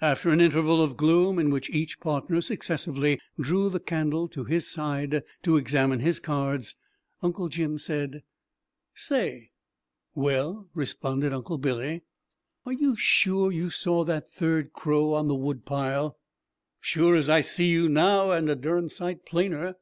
After an interval of gloom, in which each partner successively drew the candle to his side to examine his cards, Uncle Jim said: "Say?" "Well!" responded Uncle Billy. "Are you sure you saw that third crow on the wood pile?" "Sure as I see you now and a darned sight plainer.